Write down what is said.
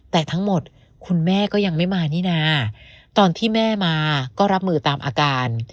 แต่ทั้งหมดคุณแม่ก็ยังไม่มานี่นาตอนที่แม่มาก็รับมือตามอาการ